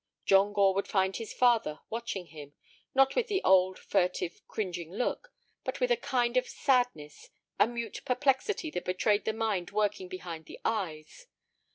John Gore would find his father watching him, not with the old, furtive, cringing look, but with a kind of sadness, a mute perplexity that betrayed the mind working behind the eyes.